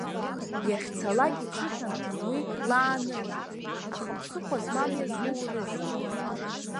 Иахьцалак ицәыхьанҭан уи лааныжьра, аха ԥсыхәа змамыз иазуурызи.